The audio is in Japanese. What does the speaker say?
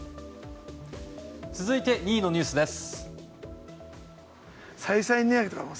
続いて２位のニュースです。